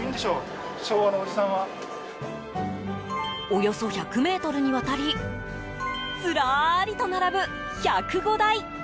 およそ１００ｍにわたりずらりと並ぶ１０５台。